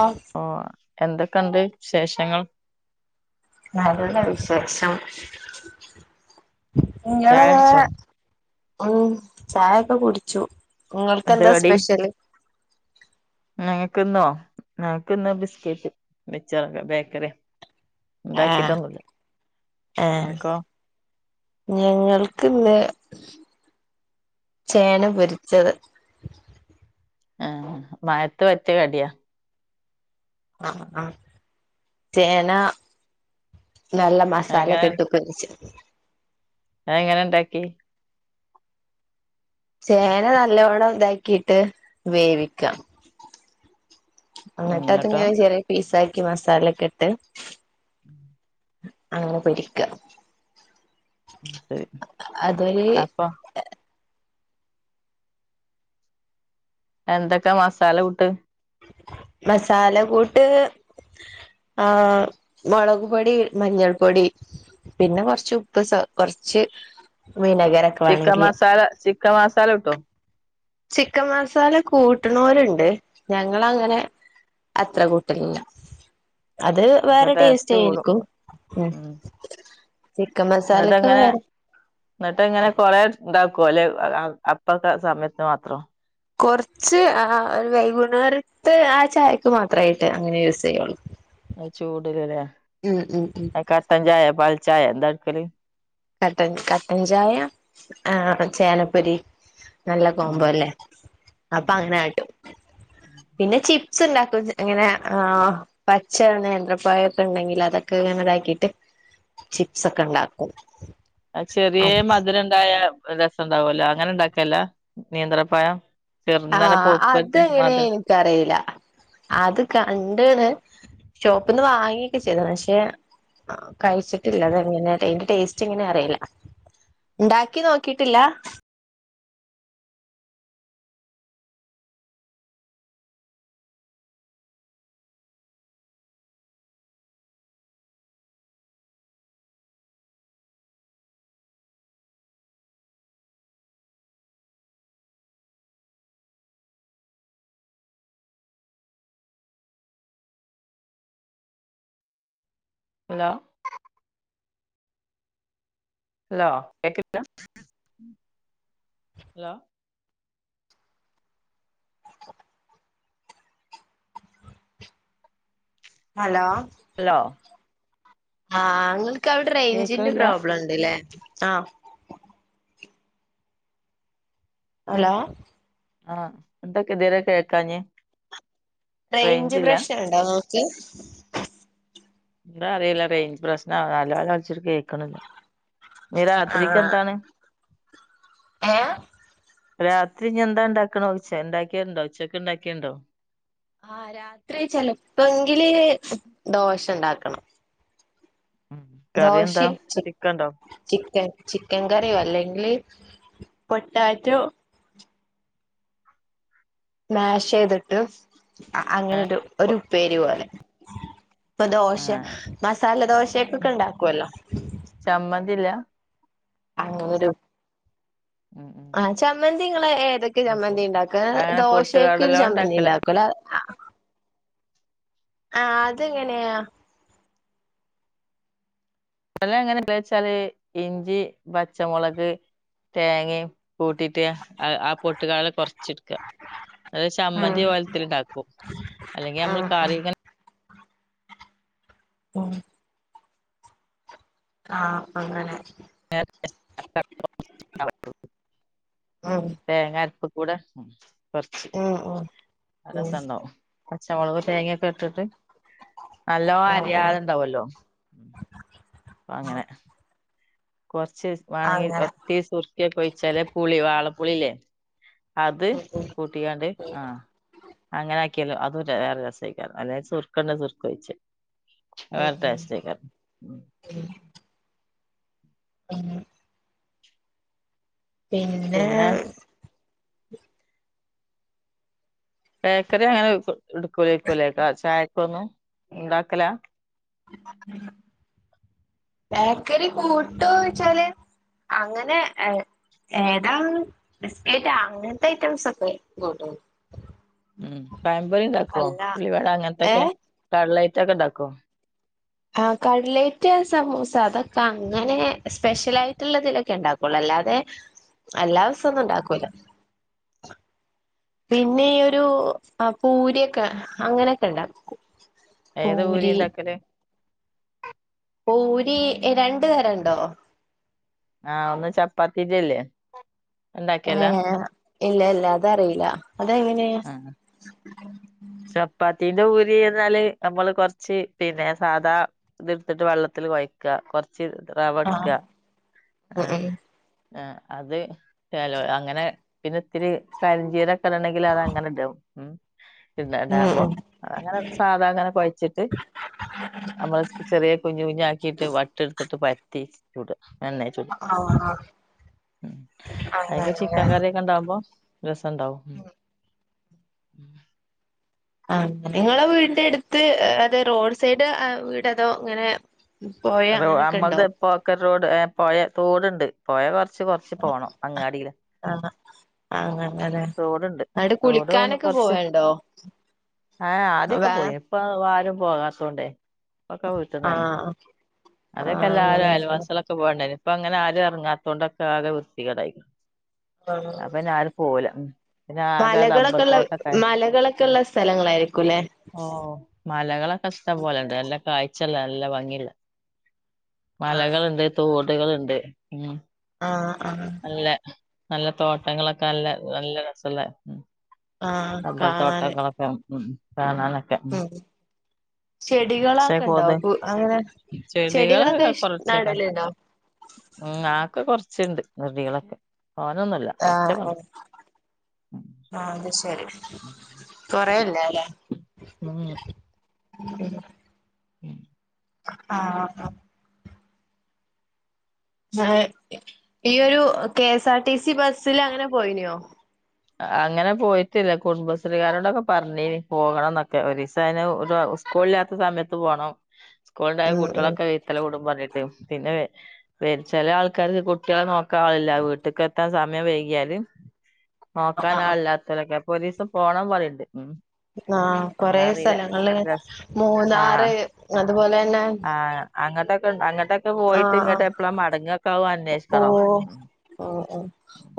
ആഹ്. ഓ എന്തൊക്കെണ്ട് വിശേഷങ്ങൾ? നല്ല വിശേഷം ഇങ്ങള് ചായടിച്ചോ ഉം ചായൊക്കെ കുടിച്ചു എന്ത് കടി നിങ്ങൾകന്താസ്പെഷ്യല്? ഞങ്ങക്കിന്നോ ഞങ്ങക്കിന്ന് ബിസ്കറ്റ് മിച്ചറൊക്കെ ബേക്കറ്യാ. ആഹ് ഇണ്ടാക്കിട്ടൊന്നുല്ല ഇങ്ങക്കോ? ഞങ്ങൾക്ക്ന്ന് ചേന പൊര്ച്ചത്. ആഹ് മയത്ത് പറ്റ്യ കട്യയാ. ആഹ് ആ ചേന നല്ല എങ്ങനെ മസാലകിട്ട് [unintelligible] അഹ്ങ്ങനെ ഇണ്ടാക്കി? ചേന നല്ലോണം ഇതാക്കിട്ട് വേവിക്ക. ഉം ഇങ്ങട്ട് അത് എന്നിട്ടോ ഞാൻ ചെറിയ പീസാക്കി മസാലക്കെട്ട്. [inaudible] അങ്ങനെ പൊരിക്ക. [unintelligible] അതൊരു അപ്പൊ. എന്തൊക്കെ മസാലൂട്ട്? മസാല കൂട്ട്. ആഹ് മുളക് പൊടി മഞ്ഞൾ പൊടി പിന്നെ കുറച്ച് ഉപ്പ് കുറച്ച് വിനകരെ ചിക്കൻ മസാല ചിക്കൻ മസാല ഉട്ടോ ചിക്കൻ മസാല കൂട്ടണോരുണ്ട് ഞങ്ങളങ്ങനെ അത്ര കൂട്ടലില്ല അത് അപ്പൊ വേറെ ടേസ്റ്റ് കൂടും ആയിരിക്കും ചിക്കൻ മ എന്നിട്ട അങ്ങനെ എന്നിട്ട് ഇങ്ങനെ കൊറെ ഉണ്ടാക്കുവ അല്ലെ അപ്പ സമയത്തിനു മാത്രം കുറച്ച് ആ ഒരു വൈകുന്നേരത്ത് ആ ചായക്ക് മാത്രമായിട്ട് അങ്ങനെ യൂസ് ചെയ്യുള്ളൂ അ ചൂടലല്ലേ ഉം ഉം ഉം ആ കട്ടഞ്ചായ പാൽ ചായ എന്താക്കല് കട്ടൻ കട്ടൻചായ ആ ചേനപ്പൊരി നല്ല ഉം കോമ്പോല്ലേ ഉം അപ്പൊ അങ്ങനെ ആട്ടും ഉം പിന്നെ ചി പ്സിണ്ടാക്കും എങ്ങനെ ആ പച്ച നേന്ത്രപ്പഴൊക്കെ ഇണ്ടെങ്കിൽ അതൊക്കെ ഇങ്ങനെ ഇതാക്കിട്ട് ചിപ്സ്ക്കെ ഉണ്ടാക്കും ചെറിയ അത് മധുരം ഉണ്ടായ രസംണ്ടാവല്ലോ അങ്ങനെ ഇണ്ടാക്കലില്ല നേന്ത്രപയം ചെറുന്ന തന്നെ പോപ്പന്നെ മധുര ക്കറിയില്ല അത് കണ്ടാണ് ഷോപ്പിന്ന് വാങ്ങിയൊക്കെ ചെയ്തേനു പക്ഷെ ആ കഴിച്ചിട്ടില്ല അതെങ്ങന അതിന്റെ ടേസ്റ്റ് എങ്ങനെ അറിയില്ല ഇണ്ടാക്കി നോക്കിട്ടില്ല ഹലോ ഹലോ കേക്കണില്ല ഹലോ ഹലോ ഹലോ ആഹ് നിങ്ങൾക്ക് അവിടെ റേഞ്ചിന്റെ കേക്കണില്ല പ്രോബ്ലം ഉണ്ട്ല്ലേ ആഹ് ഹലോ ആഹ് എന്തൊക്കെ ഇതുവരെ കേൾക്കാഞ്ഞ റേഞ്ച് പ്രശ്നംണ്ടോ ഇങ്ങക്ക് ഇന്താ അറിയില്ല റേഞ്ച് പ്രശ്നം ആണ് ഹലോ ഹലോ വിളിച്ചിട്ട് കേൾക്കണില്ല ഇനി ആ രാത്രിക്ക് എന്താണ് ഏ രാത്രിഞെന്താ ഇണ്ടാക്കണ ചോയ്ച്ചേ ണ്ടാക്കിയിണ്ടോ ഉച്ചയ്ക്ക് ഇണ്ടാക്കിയേണ്ടോ ആഹ് രാത്രി ചെലപ്പോങ്കില് ദോശ ഉണ്ടാക്കണം കറി ദോശ എന്താ ചി ചിക്കൻ ഉണ്ടോ ചിക്കൻ ചിക്കൻ കറിയോ അല്ലെങ്കിൽ പൊട്ടാറ്റോ സ്മാഷ് ചെയ്തിട്ട് അങ്ങനെരു ഒരു ഉപ്പേരി പോലെ ഇപ്പൊ ദോശ ആഹ് മസാല ദോശയൊക്ക ഒക്കെ ഉണ്ടാക്കുവല്ലോ ചമ്മന്തില്ല അങ്ങന ഒരു ഉം ഉം ചമ്മന്തി നിങ്ങള് ഏതൊക്കെ അത് ചമ്മന്തി ശരി ഇണ്ടാക്കുക അങ്ങനെ ദോശയൊക്കൊ ഒരു പൊട്ടുകടല ചമ്മന്തി ഉണ്ടാക്കല ഉണ്ടാക്കുംല്ല ആഹ് അതെങ്ങനെയാ അത് എങ്ങനെ വെച്ചാല് ഇഞ്ചി പച്ചമുളക് തേങ്ങയും കൂട്ടിട്ട് ആ പൊട്ടുകള് കൊറച്ചടും അത് ഉം ചമ്മന്തി പോലത്തിലിണ്ടാക്കും അല്ലെങ്കിൽ ഉം നമ്മള് കറി [unintelligible] ആഹ് അങ്ങനെ [unintelligible] ഉം തേങ്ങ അരപ്പ് കൂടെ കുറച്ച് ഉം ഉം ഉം രസുണ്ടാവും പച്ചമുളക് തേങ്ങൊക്കെ ഇട്ടിട്ട് നല്ലോ ഉം ഉം അരിയാതെണ്ടാവല്ലോ അപ്പ അങ്ങനെ കൊറച്ച് വേണങ്കി അങ്ങനെ ഒത്തി സുറുക്കിയൊക്കെ ഒഴിച്ചാലേ പുളി വാളപ്പുളില്ലേ അത് ഉം ഉം കൂട്ടിക്കാണ്ട് ആഹ് അങ്ങനെ ആക്കിയാലും അതും വേറെ രസമായിക്കാരം അല്ലെ സുർക്കണ്ടെ സുർക്കൊഴിച്ച് ഉം ഉം ഉം [unintelligible] പിന്നെ ബേക്കറി അങ്ങനെ എടുക്കൂ ലേക്കുലെ ചായക്കൊന്നും ഉണ്ടാക്കല [inaudible] ബേക്കറി കൂട്ടോയ്ച്ചാല് അങ്ങനെ എ ഏതാ ബിസ്കറ്റ് അങ്ങനത്തെ ഐറ്റംസ് ഒക്കെ കൂട്ടും ഉം പയമ്പൊരി ഉണ്ടാക്കുവോ അല്ല ഉള്ളിവട ഏ അങ്ങനത്തൊക്കെ കട്ലൈറ്റൊക്കെ ഉണ്ടാക്കുവോ ആഹ് കട്ലേറ്റ് സമൂസ അതൊക്കെ അങ്ങനെ സ്പെഷ്യൽ ആയിട്ടുള്ളതിലൊക്കെ ഉണ്ടാക്കുള്ളൂ അല്ലാതെ [inaudible] എല്ലാ ദിവസവും ഒന്നും ഉണ്ടാക്കൂല [inaudible] പിന്നെ ഈയോരു പൂരിയൊക്കെ അങ്ങനെയൊക്കെ ഉണ്ടാക്കും ഏത് പൂരി പൂരിണ്ടാക്കല് പൂരി രണ്ടു തരം ഉണ്ടോ ആഹ് ഒന്ന് ചപ്പാത്തിൻ്റല്ലേ ഏഹ് ഇല്ല ഇല്ല അതറിയില്ല അത് എങ്ങനെയാ ആഹ് ചപ്പാത്തിന്റെ പൂരി എന്നാല് നമ്മള് കൊറച്ച് പിന്നെ സാധാ ഇത്ടുത്തിട്ട് വെള്ളത്തിൽ കൊഴക്കുക കൊറച്ച് റവ ആ എടുക്കുക ഉം ഏഹ് ഉം ആഹ് അത് ചെലോ അങ്ങനെ പിന്നെ ഇത്തിരി കരിഞ്ചീരൊക്കെണ്ടെങ്കിൽ അത് അങ്ങനും ഇടും ഉം പിന്നെ ഉം റവ ഉം അങ്ങനെ സാധാ അങ്ങനെ കൊഴച്ചിട്ട് നമ്മള് ചെറിയ കുഞ്ഞു കുഞ്ഞാക്കിട്ട് വട്ട് എടുത്തിട്ട് പരത്തി ചുട്ക എണ്ണേ ചുട ആഹ് അങ്ങനെ അതിൽക്ക് ചിക്കൻ കറി ക്കെണ്ടാവുമ്പോ രസണ്ടാവും [inaudible] ആഹ് അങ്ങന നിങ്ങളെ വീടിന്റെ അടുത്ത് അതെ റോഡ് സൈഡ് വീട് അതോ ഇങ്ങനെ പൊയ അങ്ങനെയൊക്കെ ഉണ്ടോ നമ്മളത് പോക്ക റോഡ് പോയ തോടുണ്ട് പോഴ കൊറച്ച് കൊറച്ച് പോണം അങ്ങാടില ആഹ് അങ്ങനെല്ലെ തോടുണ്ട് എന്നിട്ട് തോട് കുളിക്കാനൊക്കെ കൊറച്ച് പോവണ്ടോ ആഹ് ആദ്യൊക്കെ പോയി ഇപ്പൊ ആരും പോകാത്തൊണ്ടേ ഒക്കെ വീട്ടിൽ തന്നെ ആഹ് ആഹ് ആദ്യൊക്കെല്ലാരും അങ്ങനെ അങ്ങനെ അയൽവാസികളൊക്കെ പോവേണ്ടായി ഇപ്പൊ അങ്ങനെ ആരും ഇറങ്ങാത്തോണ്ട് ആകെ വൃത്തികേടായി ആഹ് അപ്പൊ ഞാരും പോവൂല്ല പിന്നെ ആകെ റബർ മലകളൊക്കെ ഉള്ള തോട്ടൊക്കെ മലകളൊക്കെ ഉള്ള സ്ഥലങ്ങളായിരിക്കുംല്ലേ ഓഹ് മലകളൊക്കെ ഇഷ്ടംപോലെണ്ട് നല്ല കാഴ്ചഉള്ള നല്ല ഭംഗിയുള്ള ആഹ് മലകളുണ്ട് തോടുകളുണ്ട് ഉം ആഹ് ആഹ് നല്ല നല്ല തോട്ടങ്ങളൊക്കെ നല്ല രസുള്ള ആഹ് കാണാന് റബർത്തോട്ടങ്ങളൊക്കെ ഉം കാണാനൊക്കെ ഉം ചെടികളൊക്കെ ഉണ്ടോ [unintelligible] അങ്ങനെ ചെടികള് ചെടികളൊക്കെ ഇഷ് കൊറച്ചൊക്ക നടലുണ്ടോ ഉം ഞാക്ക് കൊറച്ചിണ്ട് ചെടികളൊക്കെ തൊനൊന്നുല്ല ആഹ് ആഹ് അത്ശരി കൊറേ ല്ല ല്ലേ ഉം ഉം ഉം ആഹ് ആഹ് ഈയൊരു K S R T C ബസ്സിൽ അങ്ങനെ പോയിനോ അങ്ങനെ പോയിട്ടില്ല കുടുംബശ്രീകാരോടൊക്കെ പറഞ്ഞിനി പോകണം എന്നൊക്കെ ഒരുസ അയ്ന് ഒരു സ്കൂളില്ലാത്ത സമയത്ത് പോണം സ്കൂള് ഉണ്ടായ ഉം ഉം കുട്ടികളൊക്കെ [unintelligible] കൂടും പറഞ്ഞിട്ട് പിന്നെ ചില ആൾക്കാര് കുട്ടികളെ നോക്കാ ആളില്ല വീട്ട്ക്ക് എത്താൻ സമയം വൈകിയാല് നോക്കാനാളില്ലാത്തരൊക്കെ പോലീസ്‌ പോണം പറയണ്ട് ഉം ആഹ് കൊറെ എന്നാ അറിയില്ല സ്ഥലങ്ങള് രസ് മൂന്നാറ് അതുപോലെ തന്നെ അങ്ങോട്ടൊക്കെണ്ട് അങ്ങട്ടൊക്കെ പോയിട്ട് ആഹ് ഇങ്ങട്ട് ആഹ് എപ്പളാ മടങ്ങെക്കാന്ന് അന്വേഷിക്കണം ഓ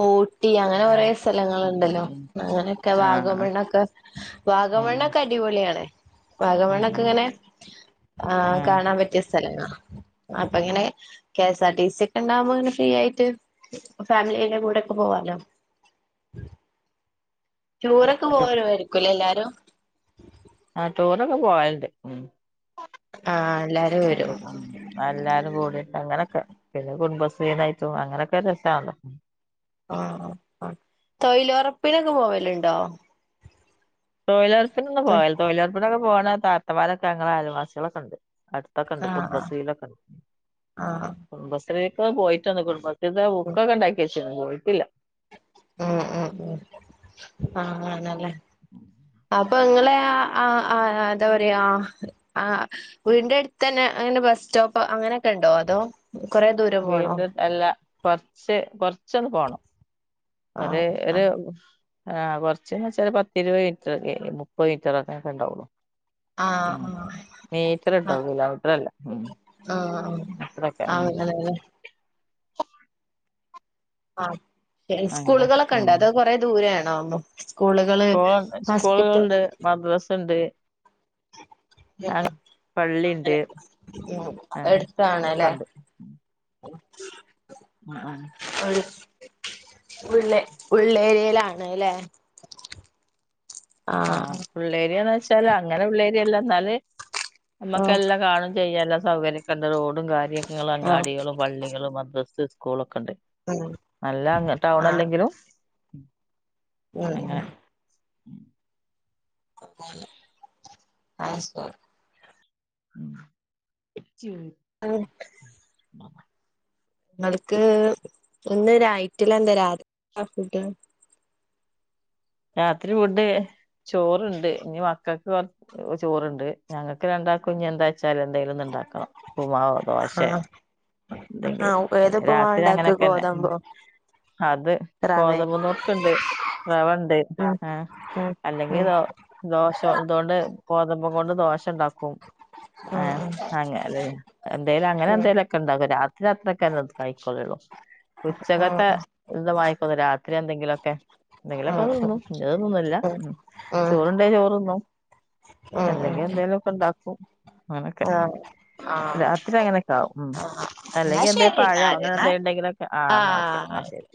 ഓ ഊട്ടി അങ്ങനെ ഉം ഒരേ ആഹ് സ്‌ഥ ഉം സ്ഥലങ്ങള്ണ്ടല്ലോ ഉം ഉം അങ്ങനെയൊക്കെ ആഹ് വാഗമെണ്ണൊക്കെ ഉം വാഗമണ്ണൊക്കെ അടിപൊളിയാണ് ഉം വാഗമണൊക്കെ ഇങ്ങനെ ആ ഉം കാണാൻ പറ്റിയ സ്ഥലങ്ങളാ അപ്പ അങ്ങനെ K S R T C ഒക്കെ ഉണ്ടാകുമ്പോ ഇങ്ങനെ ഫ്രീ ആയിട്ട് ഫാമിലിയായി കൂടെയൊക്കെ പോവാലോ ചൂറൊക്കെ ആഹ് പോകല് ആയിരിക്കുലേ എല്ലാരും ആഹ് ടൂറൊക്കെ പോവാല്ണ്ട് ഉം [unintelligible] ആഹ് എല്ലാരും വരും എല്ലാരും കൂടീണ്ട് അങ്ങനൊക്കെ പിന്നെ കുടുംബശ്രീന്നായിട്ടും അങ്ങനൊക്കെ രസാണ് [unintelligible] തൊയിലുറപ്പിനൊക്കെ പോവലുണ്ടോ തൊഴിലുറപ്പിനൊന്നും പോല്ല തൊഴിലുറപ്പിനൊക്കെ പോകണ താത്തമാരൊക്കെ അങ്ങള അയൽവാസികളൊക്കെ ഉണ്ട് അടുത് ക്കെണ്ട് ആഹ് കുടുംബശ്രീയിലൊക്കെണ്ട് ആഹ് കുടുംബശ്രീക്ക് പോയിട്ട് കുടുംബ ഇത് ഉം ബുക്കൊക്കെ ഉണ്ടാക്കി വച്ചി പോയിട്ടില്ല ഉം ഉം ഉം അങ്ങനെല്ലേ അ അപ്പൊ ഇങ്ങളെ ആഹ് ആഹ് എന്താ പറയാ ആഹ് വീടിന്റെ അടുത്തന്നെ അങ്ങനെ ബസ് സ്റ്റോപ്പ് അങ്ങനെയൊക്കെ ഉണ്ടോ അതോ കൊറേ ദൂരം പോണോ വീണ്ടും അല്ല കൊറച്ച് കൊറച്ചൊന്ന് പോണം ഒരു ആഹ് ഒരു ആഹ് ആഹ് കൊറച്ച വെച്ചാല് പത്ത് ഇരുപത് മീറ്റർക്കെ മുപ്പത് മീറ്ററൊക്കെ ഒക്കെണ്ടാവുള്ളു ഉം ആഹ് മീറ്റർട്ടോ കിലോമീറ്റർ അല്ല ഉം ആഹ് അത്രൊക്കെ ഉം ആഹ് [unintelligible] ആഹ് അങ്ങനൊക്കെ സ്കൂളുകള്ക്കെ ഉണ്ടെ ഉം അതോ കൊറേ ദൂരെ ആണോ [unintelligible] സ്കൂളുകള് ഹോസ്പിറ്റൽ മദ്രസ്ണ്ട് [inaudible] പള്ളിണ്ട് ഉം ഉം [unintelligible] ആഹ് ഇതൊക്കെ എടുത്താണല്ലേ ഉണ്ട് [unintelligible] ഉം ഉം ഉള്ളെ ഉള്ളേരിയയിലാണ് അല്ലേ ആഹ് ഉള്ളേരിയാന്ന് വെച്ചാല് അങ്ങനെ ഉള്ളേരിയല്ല എന്നാല് നമുക്ക് ഉം എല്ലാം കാണും ചെയ്യാം എല്ലാം സൗകര്യക്കെണ്ട് റോഡും കാര്യങ്ങളും ആഹ് അങ്ങാടികളും പള്ളിക മദ്രസ്സെം സ്കൂള്ക്കെണ്ട് ഉം നല്ല ടൗൺ ആഹ് അല്ലെങ്കിലും ഉം ഉം അങ്ങനെ [unintelligible] [unintelligible] ആഹ് [unintelligible] ങ്ങൾക്ക് ഒന്ന് രായിട്ടില്ല എന്താ രാത് ഫുഡ് രാത്രി ഫുഡ് ചോറ്ണ്ട് ഇനി മക്കക്ക് കൊ ചോറ്ണ്ട് ഞങ്ങൾക്ക് രണ്ടാക്കും ഇന് എന്താച്ചാല് എന്തെങ്കിലുംന്ന് ഇണ്ടാക്കണം ഉപ്പ്മാവോ ദോശയോ ആഹ് എന്തെങ്കിലും ആഹ് അല്ലെ ഏതുപ്പുമാ രാത്രി ഉണ്ടാക്ക അങ്ങനെയൊക്കെന്നെ ഗോതമ്പോ അത് റവേ കോതമ്പ് നുർക്കുണ്ട് റവ ഇണ്ട് ഉം ആ ഉം ഉം അല്ലെങ്കിൽ ദോശ ഇതൊണ്ട് ഗോതമ്പും കൊണ്ട് ദോശ ഉണ്ടാക്കും ആഹ് [unintelligible] എന്തേലും ഉം ഉം ഉം അങ്ങനെ ഉം ഉം ഉം എന്തേലൊക്കെ ഉണ്ടാക്കും രാത്രി അത്രക്കു കഴിക്കലൊള്ളൂ ഉച്ചക്കത്തെ മിതമായിക്ക രാത്രി എന്തെങ്കിലൊക്കെ എന്തെങ്കിലൊക്കെ ഒന്ന് തിന്നും [unintelligible] ഉം ചോറ് ഉണ്ടേ ചോറ് തിന്നും ഉം ഉം ഉം അല്ലെങ്കിൽ ഉം എന്തായാലും ഒക്കെ ഉണ്ടാക്കും അങ്ങനൊക്കെ ആഹ് ആഹ് രാത്രി അങ്ങനൊക്കെ ആവും മ് എന്നാ അല്ലെങ്കി എന്താ ശരി പഴം എന്നാല് അങ്ങനെ എന്നാ എന്താ ഉണ്ടെങ്കിലൊക്കെ ആ എന്നാക്ക ആഹ് എന്നാൽ ശരി